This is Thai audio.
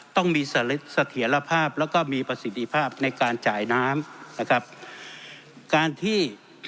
ต้องมีเสถียรภาพแล้วก็มีประสิทธิภาพในการจ่ายน้ำนะครับการที่